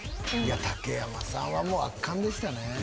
竹山さんはもう圧巻でしたね。